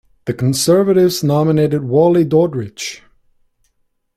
The Conservatives nominated Wally Daudrich.